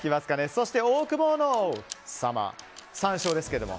そしてオオクボーノさん３勝ですけども。